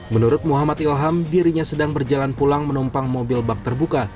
menurut muhammad ilham dirinya sedang berjalan pulang menumpang mobil bak terbuka